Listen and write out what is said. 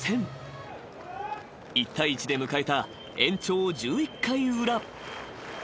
［１対１で迎えた延長十一回裏］